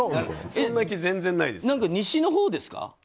何か、西のほうですか？